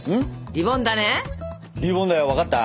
リボンだよ分かった？